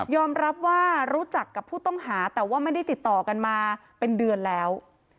รับว่ารู้จักกับผู้ต้องหาแต่ว่าไม่ได้ติดต่อกันมาเป็นเดือนแล้ว